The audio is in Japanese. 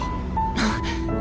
あっ！